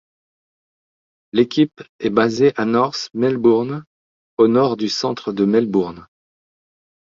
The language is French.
L'équipe est basé à North Melbourne au nord du centre de Melbourne.